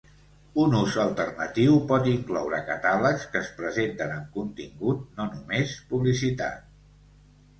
Un ús alternatiu pot incloure catàlegs que es presenten amb contingut, no només publicitat.